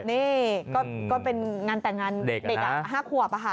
นี่ก็เป็นงานแต่งงานเด็ก๕ขวบ